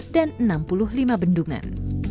dan enam puluh lima bendungan